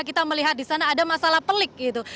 kita melihat disana ada masalah pelik gitu